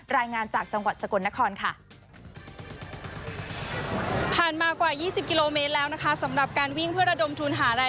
รายงานจากจังหวัดสกลนครค่ะ